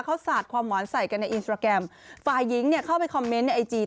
เขาสาดความหวานใส่กันในอินสตราแกรมฝ่ายหญิงเนี่ยเข้าไปคอมเมนต์ในไอจี